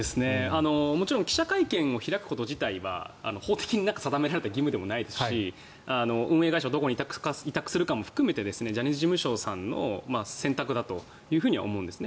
もちろん記者会見を開くこと自体は法的に定められた義務でもないですし運営会社をどこに委託するかも含めてジャニーズ事務所さんの選択だと思うんですね。